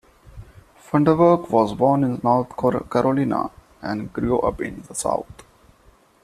Funderburk was born in North Carolina, and grew up in the south.